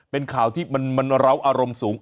เป็นข่าวที่มันเล้าอารมณ์สูง